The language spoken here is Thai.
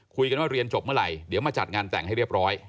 คุยกันว่าเรียนจบเมื่อไหร่เดี๋ยวมาจัดงานแต่งให้เรียบร้อย